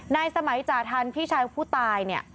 นายสมัยจ่าทันพี่ชายของผู้ตาย